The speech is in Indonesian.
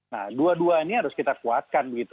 nah dua duanya harus kita kuatkan begitu